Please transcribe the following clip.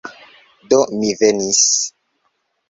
Do, mi venis...